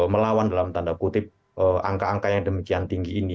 melawan dalam tanda kutip angka angkanya demikian tinggi ini